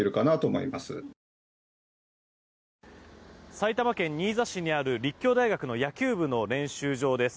埼玉県新座市にある立教大学野球部の練習場です。